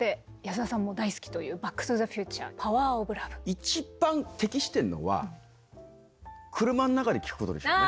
一番適してるのは車の中で聴くことでしょうね。